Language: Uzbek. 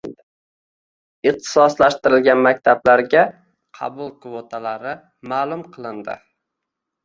Ixtisoslashtirilgan maktablarga qabul kvotalari ma'lum qilindi